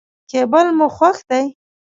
کېبل مو خوښ دی.